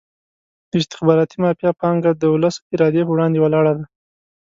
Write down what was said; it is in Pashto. د استخباراتي مافیا پانګه د ولس ارادې په وړاندې ولاړه ده.